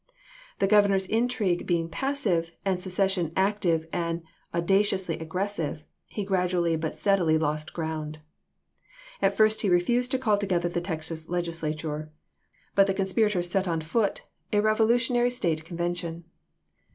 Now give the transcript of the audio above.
The Governor's intrigue being passive, and secession active and audaciously aggressive, he gradually but steadily lost ground. At first he refused to call together the Texas Legislature, but the conspirators set on foot a revolutionary State convention.